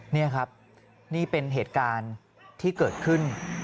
นี่ครับนี่เป็นเหตุการณ์ที่เกิดขึ้น